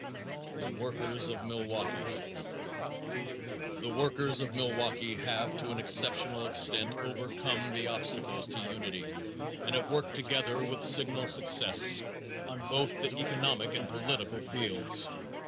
The Workers of Milwaukee. The workers of Milwaukee have to an exceptional extent overcome the obstacles to unity and have worked together with signal success on both the economic and political fields.